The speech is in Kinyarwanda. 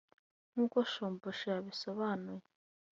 nk’uko Shumbusho yabisobanuye